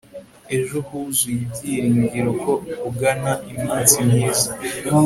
ejo huzuye ibyiringiro ko ugana iminsi myiza